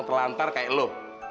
terlantar kayak lo